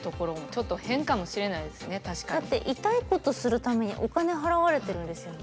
だって痛いことするためにお金払われてるんですよね。